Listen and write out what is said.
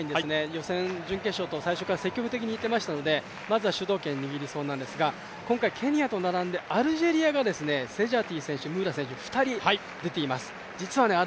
予選、準決勝と最初から積極的にいっていましたのでまずは主導権を握りそうなんですが、今回ケニアと並んでアルジェリアがセジャティ、ムーラ選手、２人出ています。